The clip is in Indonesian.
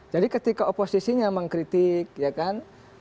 jadi ketika oposisinya mengkritik ya kan